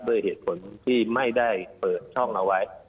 ด้วยเหตุผลที่ไม่ได้เปิดช่องเอาไว้